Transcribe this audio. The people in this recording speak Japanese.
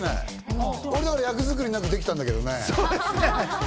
俺なら役作りなくできたんだけどね。